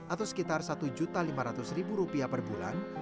atau sekitar satu juta lima ratus ribu rupiah per bulan